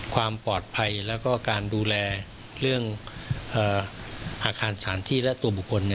ความปลอดภัยแล้วก็การดูแลเรื่องอาคารสถานที่และตัวบุคคล